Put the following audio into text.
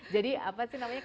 jadi apa sih namanya